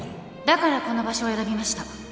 だからこの場所を選びました。